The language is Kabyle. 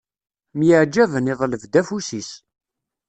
Myaɛjaben, iḍleb-d afus-is.